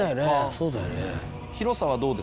そうだよね。